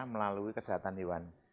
melalui kesehatan hewan